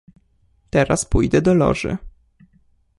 "Teraz pójdę do Loży."